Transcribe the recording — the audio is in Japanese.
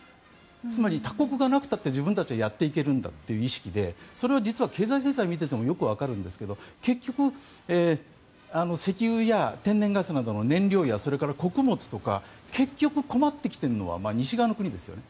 つまり他国がなくたって自分たちはやっていけるんだという意識でそれは実は経済制裁を見ていてもよくわかるんですが結局、石油や天然ガスなどの燃料やそれから穀物とか結局、困ってきているのは西側の国ですよね。